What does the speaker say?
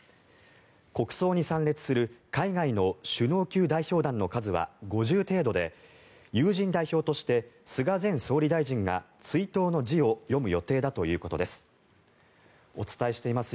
国葬に参列する海外の首脳級代表団の数は５０程度で友人代表として菅前総理大臣が追悼の辞を読む予定だということです。